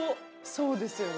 そうですよね。